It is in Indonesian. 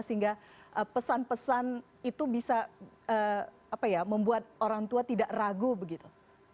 sehingga pesan pesan itu bisa membuat orang tua tidak ragu begitu